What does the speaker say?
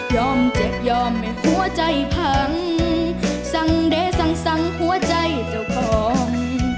เจ็บยอมให้หัวใจพังสังเดสั่งสังหัวใจเจ้าของ